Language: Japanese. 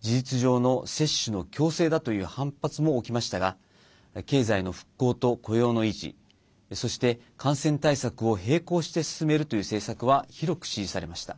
事実上の接種の強制だという反発も起きましたが経済の復興と雇用の維持そして、感染対策を並行して進めるという政策は広く支持されました。